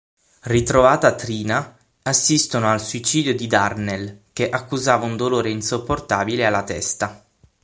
Ritrovata Trina, assistono al suicidio di Darnell, che accusava un dolore insopportabile alla testa.